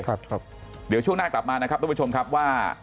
ครับเดี๋ยวช่วงหน้ากลับมานะครับทุกผู้ชมครับว่า